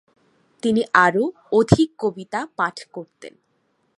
তিনি আরও অধিক কবিতা পাঠ করতেন।